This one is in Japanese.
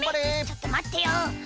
ちょっとまってよ。